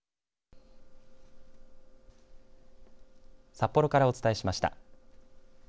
札幌からお伝えしました。